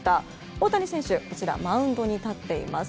大谷選手マウンドに立っています。